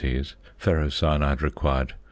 "Ferrocyanide" required 1.